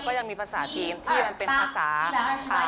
ก็ยังมีภาษาจีนที่มันเป็นภาษาไทย